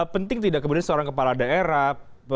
penting tidak kemudian seorang kepala daerah